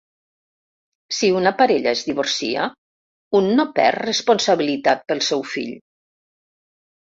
Si una parella es divorcia, un no perd responsabilitat pel seu fill.